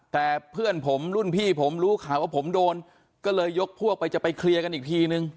แต่เพื่อนผมรุ่นพี่ผมรู้ข่าวว่าผมโดนก็เลยยกพวกไปจะไปเคลียร์กันอีกทีนึง